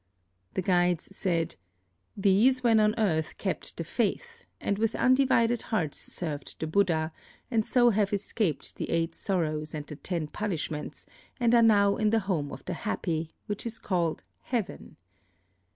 "The guides said, 'These when on earth kept the faith, and with undivided hearts served the Buddha, and so have escaped the Eight Sorrows and the Ten Punishments, and are now in the home of the happy, which is called heaven.'